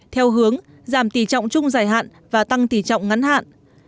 theo hướng giảm tỷ trọng chung giải hạn và tăng tỷ trọng ngắn hạn